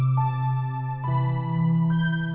pindah dalem ya